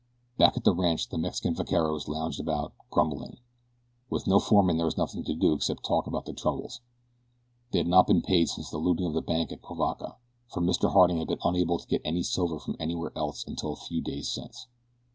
Back at the ranch the Mexican vaqueros lounged about, grumbling. With no foreman there was nothing to do except talk about their troubles. They had not been paid since the looting of the bank at Cuivaca, for Mr. Harding had been unable to get any silver from elsewhere until a few days since.